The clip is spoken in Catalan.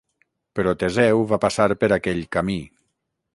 Però Teseu va passar per aquell camí.